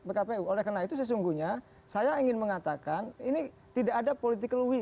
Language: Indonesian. nah itu sesungguhnya saya ingin mengatakan ini tidak ada political will